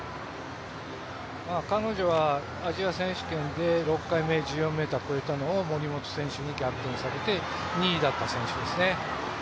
彼女は、アジア選手権で６回目、１４ｍを越えたのが森本選手に逆転されて２位だった選手ですね。